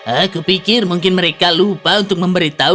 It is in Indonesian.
aku pikir mungkin mereka lupa untuk memberitahu